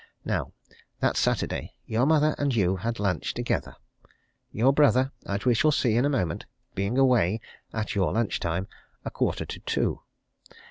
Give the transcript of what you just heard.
Now, that Saturday, your mother and you had lunch together your brother, as we shall see in a moment, being away at your lunch time a quarter to two.